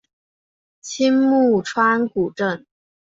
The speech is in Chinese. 青木川古镇